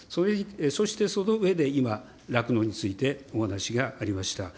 そして、その上で今、酪農についてお話がありました。